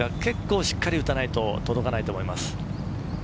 しっかり打たないと届かないと思います。